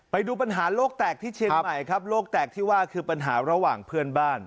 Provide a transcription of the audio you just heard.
ไปดูปัญหาโลกแตกที่เชียงใหม่ครับโรคแตกที่ว่าคือปัญหาระหว่างเพื่อนบ้าน